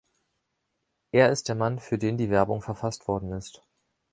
Er ist der Mann, für den die Werbung verfasst worden ist.